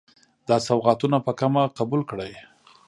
دا سوغاتونه په کمه قبول کړئ.